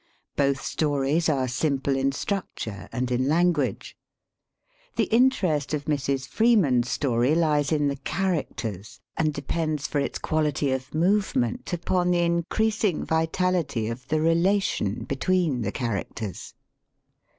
Both stories are simple in structure and in language. THE SPEAKING VOICE The interest of Mrs. Freeman's story lies in the characters and depends for its quality of movement upon the increasing vitality of the relation between the characters.